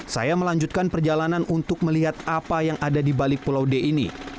saya melanjutkan perjalanan untuk melihat apa yang ada di balik pulau d ini